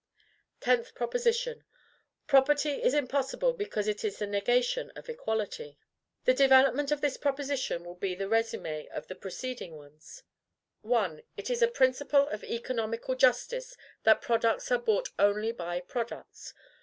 TENTH PROPOSITION. Property is impossible, because it is the Negation of equality. The development of this proposition will be the resume of the preceding ones. 1. It is a principle of economical justice, that PRODUCTS ARE BOUGHT ONLY BY PRODUCTS.